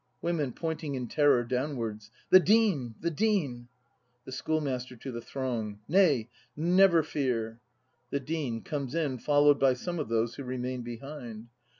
Women. [Pointing in terror downwards.] The Dean! The Dean! The Schoolmaster. [To the throng.] Nay, never fear! The Dean. [Comes in, followed by some of those who remained behind.